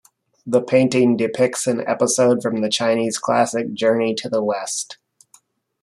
The painting depicts an episode from the Chinese classic "Journey to the West".